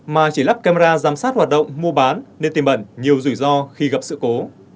mà chỉ lắp camera giám sát hoạt động mua bán nên tìm bẩn nhiều rủi ro khi gặp sự cố